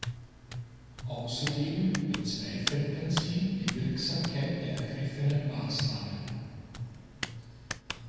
Ausserdem bezweifelten sie die Wirksamkeit der ergriffenen Massnahmen.